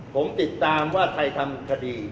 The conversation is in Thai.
ผมติดตามว่าใครทำคดี